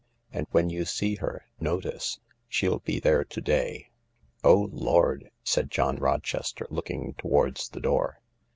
And when you see her, notice. She'll be there to day." " Oh Lord !" said John Rochester, looking towards the door.